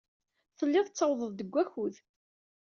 Telliḍ tettawḍeḍ-d deg wakud.